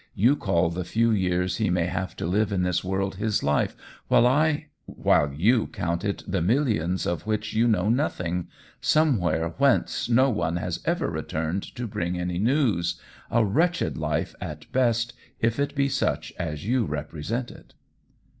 You call the few years he may have to live in this world his life; while I " "While you count it the millions of which you know nothing, somewhere whence no one has ever returned to bring any news! a wretched life at best if it be such as you represent it."